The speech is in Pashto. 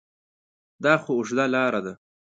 دا خو اوږده لاره ده ؟